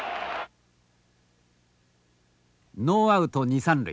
ノーアウト二三塁。